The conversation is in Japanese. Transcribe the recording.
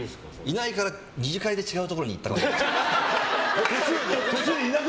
いないから２次会で違うところに行ったかもしれない。